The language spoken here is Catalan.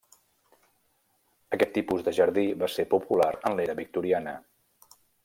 Aquest tipus de jardí va ser popular en l'era victoriana.